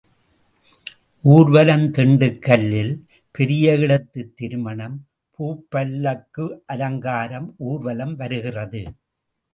ஊர்வலம் திண்டுக்கல்லில் பெரிய இடத்துத் திருமணம் பூப் பல்லக்கு அலங்காரம் ஊர்வலம் வருகிறது.